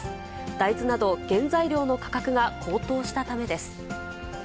大豆など、原材料の価格が高騰したためです。